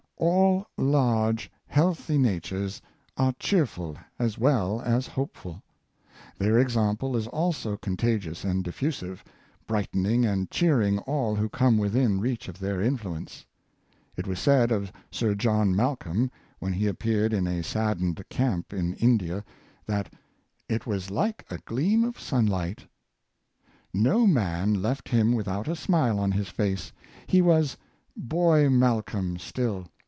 All large, healthy natures are cheerful as well as hopeful. Their example is also contagious and diffusive, brightening and cheering all who come within reach of their influence. It was said of Sir John Malcolm, when he appeared in a saddened camp in India, that *' it was like a gleam of sunlight, "^"^"^^ no man left him without a smile on his face. He was ' boy Malcolm ' still.